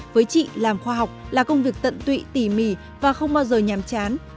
với chị làm khoa học là công việc tận tụy tỉ mỉ và không bao giờ nhàm chán